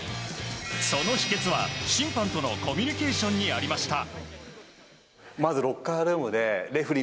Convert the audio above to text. その秘訣は審判とのコミュニケーションにありました。